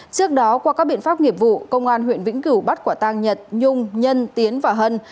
trước đó qua các biện pháp nghiệp vụ công an huyện vĩnh cửu bắt quả tang nhật nhung nhân tiến và hân